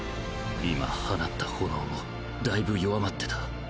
今放った炎もだいぶ弱まってた。